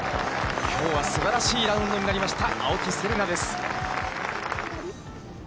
きょうはすばらしいラウンドになりました、青木瀬令奈です。